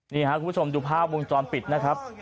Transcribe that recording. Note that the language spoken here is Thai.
นี่ครับคุณผู้ชมดูภาพวงจรปิดนะครับ